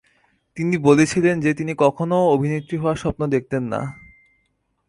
তিনি বলেছিলেন যে তিনি কখনও অভিনেত্রী হওয়ার স্বপ্ন দেখতেন না।